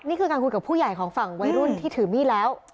นี่คือการคุยกับผู้ใหญ่ของฝั่งวัยรุ่นที่ถือมีดแล้ว